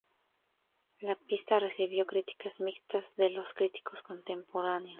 La pista recibió críticas mixtas de los críticos contemporáneos.